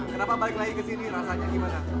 kenapa balik lagi ke sini rasanya gimana